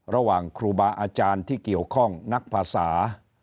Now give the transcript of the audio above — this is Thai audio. ระหว่างครูบาอาจารย์ที่เกี่ยวข้องนักภาษา